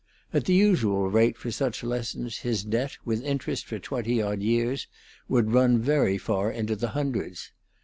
At the usual rate for such lessons, his debt, with interest for twenty odd years, would run very far into the hundreds.